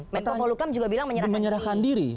menpolukam juga bilang menyerahkan diri